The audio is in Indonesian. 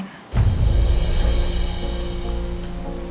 kamu harus stop nyelidikin kasusnya mbak andin